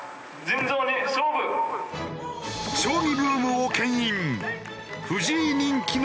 将棋ブームを牽引。